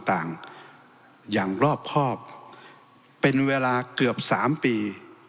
ต่างอย่างรอบครอบเป็นเวลาเกือบ๓ปี